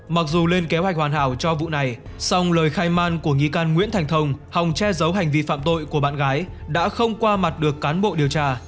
mặc dù lên kế hoạch hoàn hảo cho vụ này song lời khai man của nghi can nguyễn thành thông hòng che giấu hành vi phạm tội của bạn gái đã không qua mặt được cán bộ điều tra